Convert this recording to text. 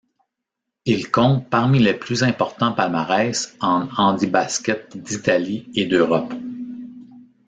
Il compte parmi les plus importants palmarès en handibasket d'Italie et d'Europe.